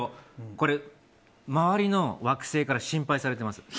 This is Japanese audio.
これ、周りの惑星から心配されてますよ。